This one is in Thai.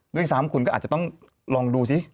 ด้วยซ้ำคุณก็อาจจะต้องลองดูซิ